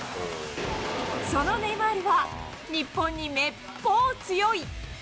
そのネイマールは、日本にめっぽう強い。